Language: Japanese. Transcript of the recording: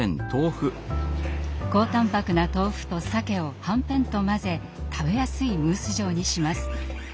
高タンパクな豆腐とさけをはんぺんと混ぜ食べやすいムース状にします。